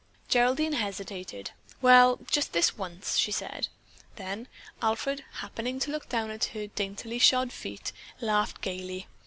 Geraldine hesitated. "Well, just this once," she said. Then Alfred, happening to look down at her daintily shod feet, laughed gaily.